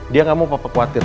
dia gak mau apa khawatir